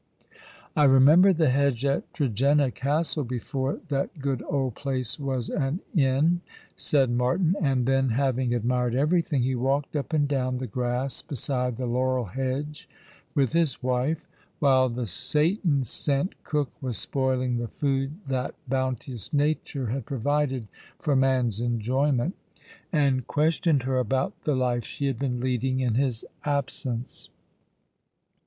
" I remember the hedge at Tregenna Castle before that good old place was an inn," said Martin ; and then, having admired everything, he walked up and down the grass beside the laurel hedge with his wife — while the Satan sent cook was spoiling the food that bounteous Nature had pro vided for man's enjoyment — and questioned her about the life she had been leading in his absence.